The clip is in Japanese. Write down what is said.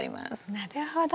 なるほど。